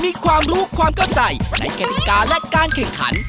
มีความรู้ความเข้าใจในกฎิกาและการแข่งขัน